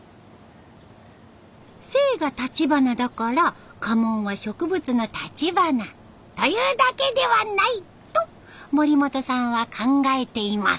姓が橘だから家紋は植物の橘というだけではないと森本さんは考えています。